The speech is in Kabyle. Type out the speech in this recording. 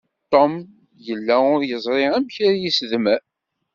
Tom yella ur yeẓri amek ara isedmer.